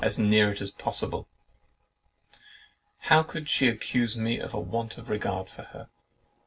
as near it as possible. "How could she accuse me of a want of regard to her?